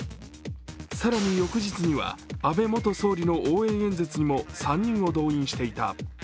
更に翌日には安倍元総理の応援演説も３人を動員していた。